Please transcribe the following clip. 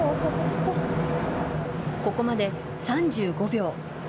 ここまで３５秒。